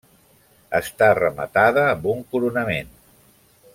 Està rematada amb un coronament.